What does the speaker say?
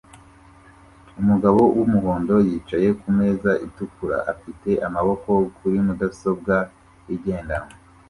Umugabo wumuhondo yicaye kumeza itukura afite amaboko kuri mudasobwa igendanwa